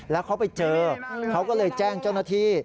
แล้วเขาไปเจอเขาก็เลยแจ้งเจ้าหน้าที่